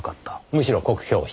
むしろ酷評した。